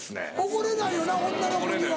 怒れないよな女の子には。